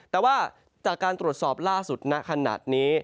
แต่ว่าจากการตรวจสอบล่าสุดณขณะนี้